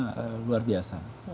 karena luar biasa